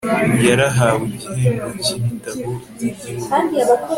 yarahawe igihembo cy'ibitabo by'igihugu